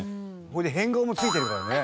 それで変顔もついてるからね。